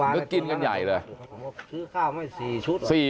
นึกกินกันใหญ่เลย